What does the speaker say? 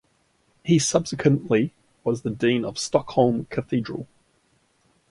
He subsequently was the Dean of Stockholm Cathedral.